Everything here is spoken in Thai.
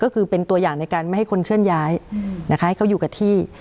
ก็คือเป็นตัวอย่างในการไม่ให้คนเคลื่อนย้ายนะคะให้เขาอยู่กับที่